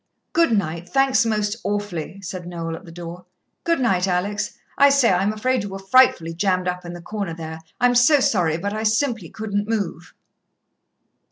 "Good night thanks most awfully," said Noel at the door. "Good night, Alex. I say, I'm afraid you were frightfully jammed up in the corner there I'm so sorry, but I simply couldn't move."